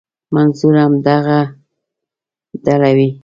منظور همدغه ډله وي.